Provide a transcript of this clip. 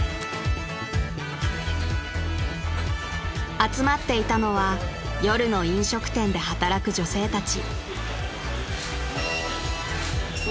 ［集まっていたのは夜の飲食店で働く女性たち］